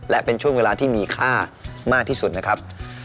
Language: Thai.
และเป็นช่วงเวลาที่มีค่ามากที่สุดนะครับ